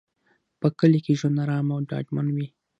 په کلي کې ژوند ارام او ډاډمن وي.